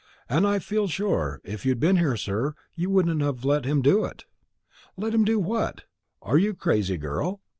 And I feel sure if you'd been here, sir, you wouldn't have let him do it." "Let him do what? Are you crazy, girl?